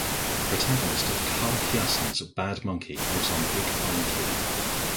The protagonist of Carl Hiaasen's "Bad Monkey" lives on Big Pine Key.